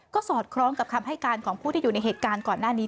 ก็สอดคล้องกับคำให้การของผู้ที่อยู่ในเหตุการณ์ก่อนหน้านี้